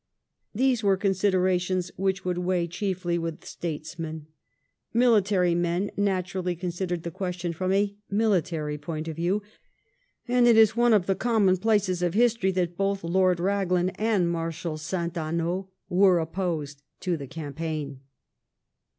These were considerations which would weigh chiefly with statesmen ; military men naturally considered the question from a military point of view, and it is one of the commonplaces of history that both Lord Raglan and Marshal St. Amaud were opposed to the campaign.